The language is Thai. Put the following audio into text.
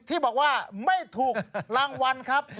ที่บอกว่าไม่ถูกรางวัลครับ